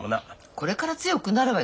これから強くなるわよ。